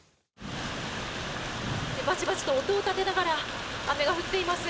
バチバチと音を立てながら雨が降っています。